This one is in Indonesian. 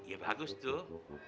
ya bagus tuh